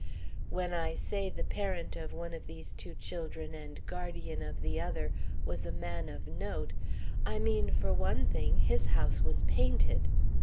When I say the parent of one of these two children and guardian of the other was a man of note, I mean, for one thing, his house was painted.